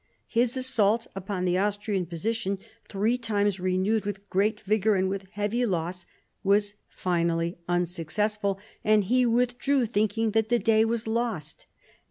His assault upon the Austrian position, three times renewed with great vigour and with heavy loss, was finally unsuccessful, and he withdrew thinking that the day was lost.